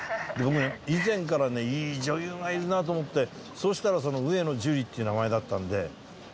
以前からねいい女優がいるなと思ってそしたらその上野樹里っていう名前だったんで。